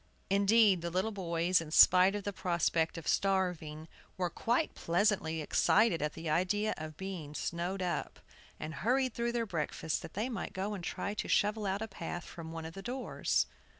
Indeed, the little boys, in spite of the prospect of starving, were quite pleasantly excited at the idea of being snowed up, and hurried through their breakfasts that they might go and try to shovel out a path from one of the doors.